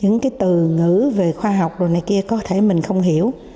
những cái từ ngữ về khoa học đồ này kia có thể mình không hiểu